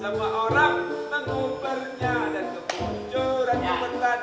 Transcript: dan kebuncuran membuta di malam